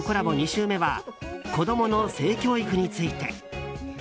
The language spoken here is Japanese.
２週目は子供の性教育について。